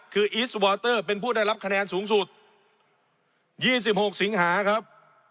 คืออีสวอเตอร์เป็นผู้ได้รับคะแนนสูงสุด๒๖สิงหาครับ